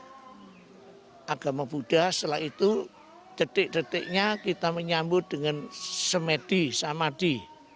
jadi kita bisa lihat agama buddha setelah itu detik detiknya kita menyambut dengan semadi